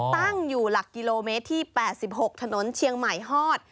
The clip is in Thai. ตั้งอยู่หลักกิโลเมตรที่๘๖ถนนเชียงใหม่ฮอด